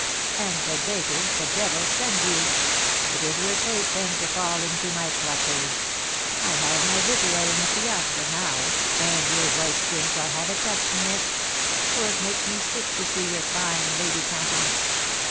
Ah, the baker (the devil) sends you! It is your fate, then, to fall into my clutches! I have my vitriol in the fiacre now, and your white skin shall have a touch, miss; for it makes me sick to see your fine lady countenance.